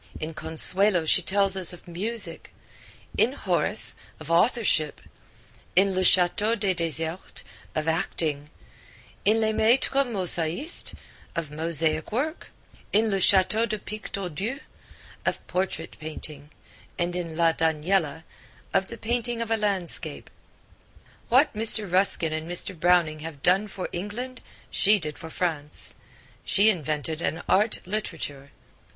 In Consuelo she tells us of music; in Horace of authorship; in Le Chateau des Desertes of acting; in Les Maitres Mosaistes of mosaic work; in Le Chateau de Pictordu of portrait painting; and in La Daniella of the painting of landscape. What Mr. Ruskin and Mr. Browning have done for England she did for France. She invented an art literature.